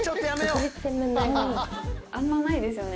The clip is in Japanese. あんまないですよね